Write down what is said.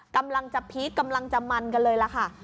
กำลังจะพีคกำลังจะมันกันเลยล่ะค่ะ